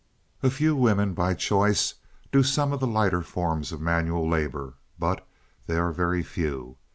"A few women, by choice, do some of the lighter forms of manual labor but they are very few.